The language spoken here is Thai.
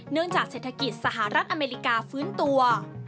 จากเศรษฐกิจสหรัฐอเมริกาฟื้นตัว